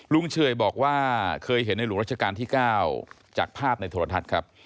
เฉยบอกว่าเคยเห็นในหลวงรัชกาลที่๙จากภาพในโทรทัศน์ครับ